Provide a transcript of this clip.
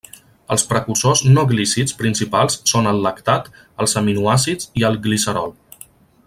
Els precursors no glícids principals són el lactat, els aminoàcids i el glicerol.